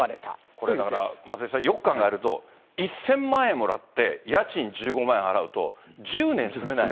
これだから、松井さん、よく考えると１０００万円もらって、家賃１５万円払うと、１０年住めない。